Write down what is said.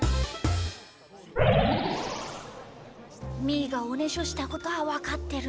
みーがおねしょしたことはわかってるんだ。